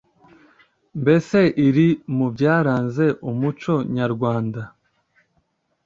mbese iri mu byaranze umuco nyarwanda